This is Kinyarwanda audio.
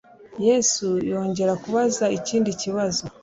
Yesu yongera kubaza ikindi kibazo,